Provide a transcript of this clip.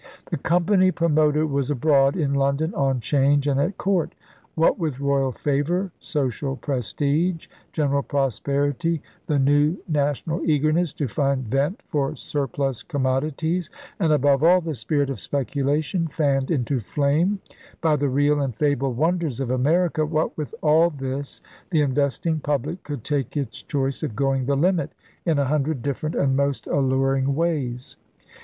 The company promoter was abroad, in London, on 'Change, and at court. What with royal favor, social prestige, general prosperity, the new na ELIZABETHAN ENGLAND 63 tional eagerness to find vent for surplus com modities, and, above all, the spirit of speculation fanned into flame by the real and fabled wonders of America, what with all this the investing public could take its choice of * going the limit' in a hun dred different and most alluring ways.